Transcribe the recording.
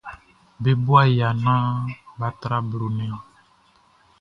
Be bo aya naan bʼa tra blo nnɛn.